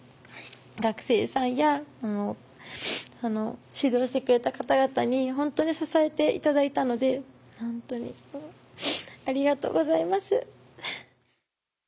学生さんや指導してくれた方々に本当に支えていただいたので本当にありがとうございます。